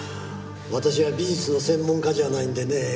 私は美術の専門家じゃないんでね